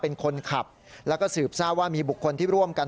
เป็นคนขับแล้วก็สืบทราบว่ามีบุคคลที่ร่วมกัน